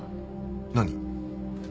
何？